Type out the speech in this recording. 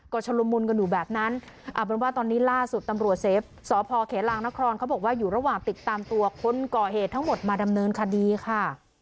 ก็ชะลุมกันอยู่แบบนั้นเอาเป็นว่าตอนนี้ล่าสุดตำรวจเซฟสพเขลางนครเขาบอกว่าอยู่ระหว่างติดตามตัวคนก่อเหตุทั้งหมดมาดำเนินคดีค่ะ